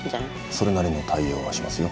それなりの対応はしますよ。